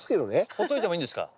ほっといてもいいんですか？